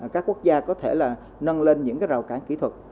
các quốc gia có thể là nâng lên những rào cản kỹ thuật